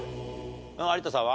有田さんは？